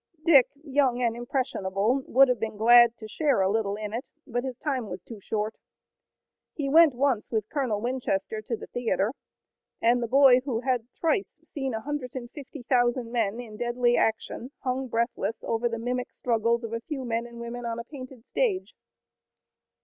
Dick, young and impressionable, would have been glad to share a little in it, but his time was too short. He went once with Colonel Winchester to the theatre, and the boy who had thrice seen a hundred and fifty thousand men in deadly action hung breathless over the mimic struggles of a few men and women on a painted stage.